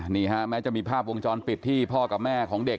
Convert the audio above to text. นี่ฮะแม้จะมีภาพวงจรปิดที่พ่อกับแม่ของเด็ก